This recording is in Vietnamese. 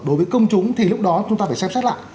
đối với công chúng thì lúc đó chúng ta phải xem xét lại